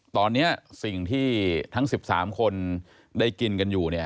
ตอนนี้สิ่งที่ทั้ง๑๓คนได้กินกันอยู่เนี่ย